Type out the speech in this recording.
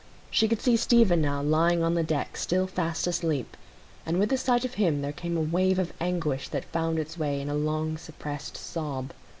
She could see Stephen now lying on the deck still fast asleep, and with the sight of him there came a wave of anguish that found its way in a long suppressed sob.